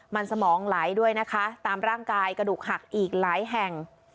มันสมองไหลด้วยนะคะตามร่างกายกระดูกหักอีกหลายแห่ง